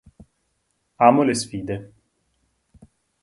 Amo le sfide.